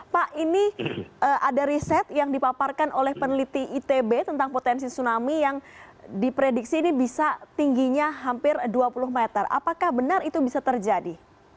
pak ini ada riset yang dipaparkan oleh peneliti itb tentang potensi tsunami yang diprediksi ini bisa tingginya hampir dua puluh meter apakah benar itu bisa terjadi